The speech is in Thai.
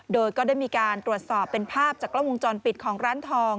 โดยก็ได้มีการตรวจสอบเป็นภาพจากกล้องวงจรปิดของร้านทอง